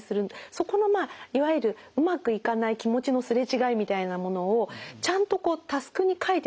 そこのいわゆるうまくいかない気持ちのすれ違いみたいなものをちゃんとタスクに書いてですね。